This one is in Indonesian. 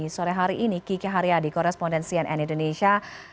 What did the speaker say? sore hari ini kiki haryadi korespondensian n indonesia